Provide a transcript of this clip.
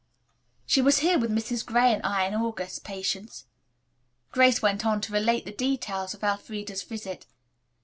"She was here with Mrs. Gray and I in August, Patience." Grace went on to relate the details of Elfreda's visit.